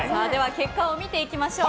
結果を見ていきましょう。